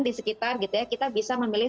di sekitar kita bisa memilih